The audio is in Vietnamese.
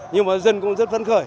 nhưng mà dân cũng rất phấn khởi